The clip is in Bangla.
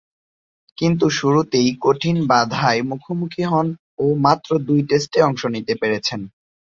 কিন্তু শুরুতেই কঠিন বাঁধার মুখোমুখি হন ও মাত্র দুই টেস্টে অংশ নিতে পেরেছেন।